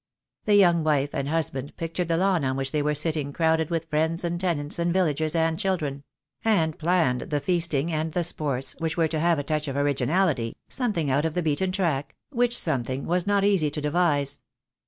The young wTife and husband pictured the lawn on which they were sitting crowded with friends and tenants and villagers and children; and planned the feasting and the sports, which were to have a touch of originality, something out of the beaten track, which something was not easy to devise.